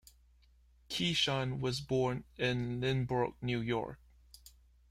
Keeshan was born in Lynbrook, New York.